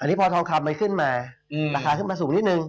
นี่พอทองคำมันขึ้นมาราคาขึ้นมาสูงนิดนึง